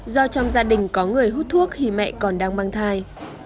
do trong gia đình có người hút thuốc khi mẹ còn đang mang thai